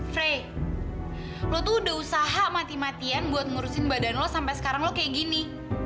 frey lo tuh udah usaha mati matian buat ngurusin badan lo sampai sekarang lo kayak gini